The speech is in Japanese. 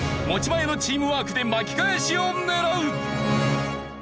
持ち前のチームワークで巻き返しを狙う！